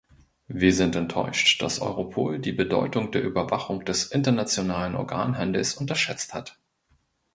Wir sind enttäuscht, dass Europol die Bedeutung der Überwachung des internationalen Organhandels unterschätzt hat.